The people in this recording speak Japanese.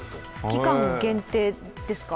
期間限定ですか？